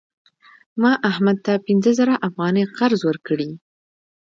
ما احمد ته پنځه زره افغانۍ قرض ورکړې.